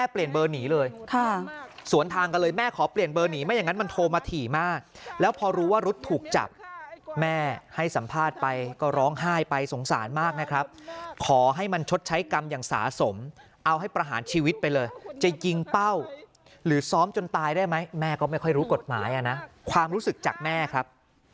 เปลี่ยนเบอร์หนีเลยสวนทางกันเลยแม่ขอเปลี่ยนเบอร์หนีไม่อย่างนั้นมันโทรมาถี่มากแล้วพอรู้ว่ารุ๊ดถูกจับแม่ให้สัมภาษณ์ไปก็ร้องไห้ไปสงสารมากนะครับขอให้มันชดใช้กรรมอย่างสาสมเอาให้ประหารชีวิตไปเลยจะยิงเป้าหรือซ้อมจนตายได้ไหมแม่ก็ไม่ค่อยรู้กฎหมายนะความรู้สึกจากแม่ครับ